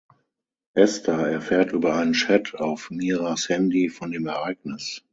Esther erfährt über einen Chat auf Miras Handy von dem Ereignis.